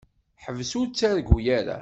Ḥbes ur ttargu ara.